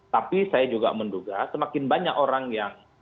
tapi saya juga menduga semakin banyak orang yang